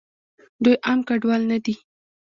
دوئ عام کډوال نه دي.